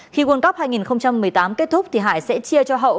khi world cup hai nghìn một mươi tám kết thúc thì hải sẽ chia cho hậu